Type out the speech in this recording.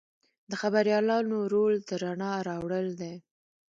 د خبریالانو رول د رڼا راوړل دي.